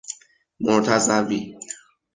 مرتضوی